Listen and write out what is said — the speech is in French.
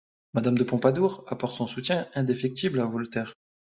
Madame de Pompadour apporte son soutien indéfectible à Voltaire.